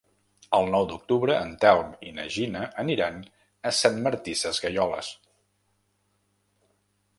El nou d'octubre en Telm i na Gina aniran a Sant Martí Sesgueioles.